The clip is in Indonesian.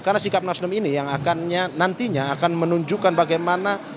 karena sikap nasdem ini yang nantinya akan menunjukkan bagaimana